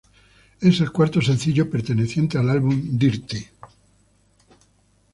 Es el cuarto sencillo perteneciente al álbum Dirty.